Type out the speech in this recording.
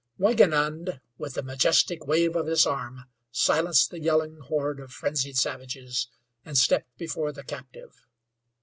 Wingenund, with a majestic wave of his arm, silenced the yelling horde of frenzied savages and stepped before the captive.